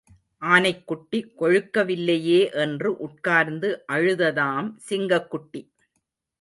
ஆனைக் குட்டி கொழுக்கவில்லையே என்று உட்கார்ந்து அழுததாம் சிங்கக் குட்டி.